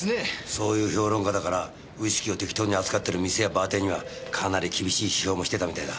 そういう評論家だからウイスキーを適当に扱ってる店やバーテンにはかなり厳しい批評もしてたみたいだ。